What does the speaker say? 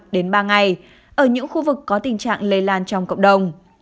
đến ba ngày ở những khu vực có tình trạng lây lan trong cộng đồng